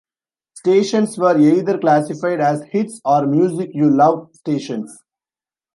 Stations were either classified as 'Hits' or 'Music You Love' stations.